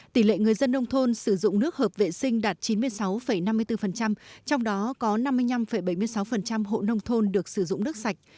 tỷ lệ người dân nông thôn sử dụng nước hợp vệ sinh đạt chín mươi sáu năm mươi bốn trong đó có năm mươi năm bảy mươi sáu hộ nông thôn được sử dụng nước sạch